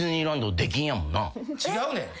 違うねん。